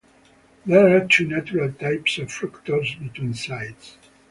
There are two natural types of functors between sites.